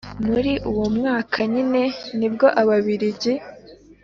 Muri uwo mwaka nyine nibwo Ababiligi